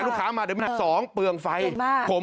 ขามาเดี๋ยวไหม